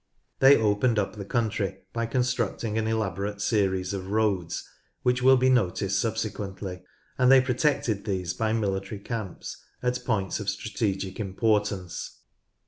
They opened up the country by constructing an elaborate series of roads which will be noticed subsequently, and they protected these by mili tary camps at points of strategic importance.